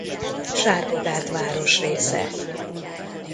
Sárbogárd városrésze.